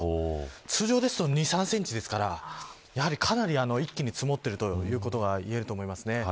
通常ですと２、３センチですからやはり、かなり一気に積もっているということが言えると思います。